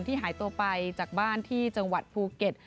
หายตัวไปจากบ้านที่จังหวัดภูเก็ต